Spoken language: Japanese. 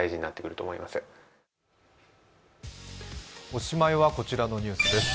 おしまいはこちらのニュースです。